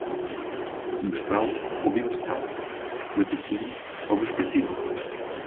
Semestral ou bimestral? Matutino ou vespertino?